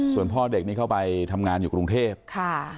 ส่วนพ่อเด็กนี่เข้าไปทำงานอยู่กรุงเทพค่ะ